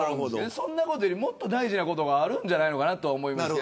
そんなことよりももっと大事なことがあるんじゃないかと思います。